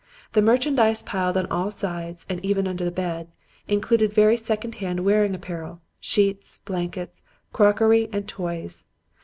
The merchandise piled on all sides, and even under the bed, included very secondhand wearing apparel, sheets, blankets, crockery and toys.